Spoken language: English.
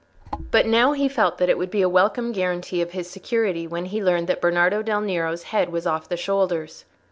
But now he felt that it would be a welcome guarantee of his security when he had learned that Bernardo del Nero's head was off the shoulders.